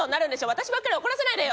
私ばっかり怒らせないでよ！